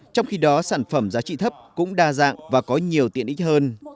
trong khi đó sản phẩm giá trị thấp cũng đa dạng và có nhiều tiện ích hơn